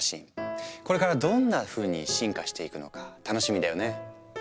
これからどんなふうに進化していくのか楽しみだよね。